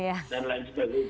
dia sudah terbuka